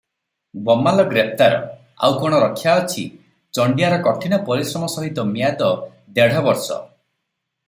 ବମାଲ ଗ୍ରେପ୍ତାର, ଆଉ କଣ ରକ୍ଷା ଅଛି, ଚଣ୍ଡିଆର କଠିନ ପରିଶ୍ରମ ସହିତ ମିଆଦ ଦେଢ଼ ବର୍ଷ ।